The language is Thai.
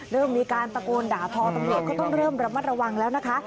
เริ่มมีการตะโกนด่าทอตำรวจก็ต้องเริ่มระมัดระวังแล้วนะคะ